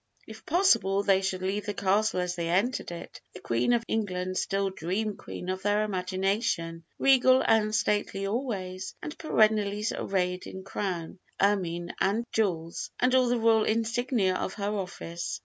If possible they should leave the Castle as they entered it the Queen of England still the dream queen of their imagination, regal and stately always, and perennially arrayed in crown, ermine and jewels, and all the royal insignia of her office.